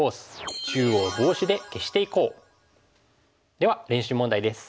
では練習問題です。